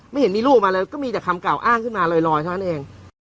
เห็นมีรูปออกมาเลยก็มีแต่คำกล่าวอ้างขึ้นมาลอยเท่านั้นเอง